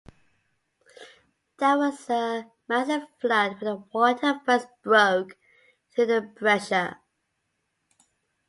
There was a massive flood when the water first broke through the breccia.